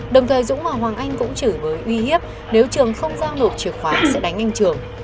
đồng thời dũng và hoàng anh cũng chửi bới uy hiếp nếu trường không giao nộp chìa khóa sẽ đánh anh trường